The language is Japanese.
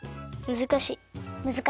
むずかしいのか。